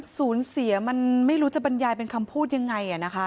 สูญเสียมันไม่รู้จะบรรยายเป็นคำพูดยังไงนะคะ